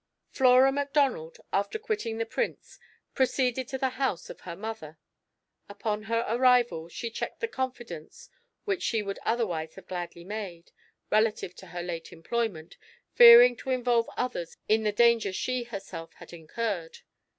Flora Macdonald, after quitting the Prince, proceeded to the house of her mother. Upon her arrival, she checked the confidence which she would otherwise have gladly made, relative to her late employment, fearing to involve others in the danger she herself had incurred.